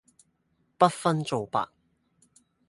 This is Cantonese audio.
不分皂白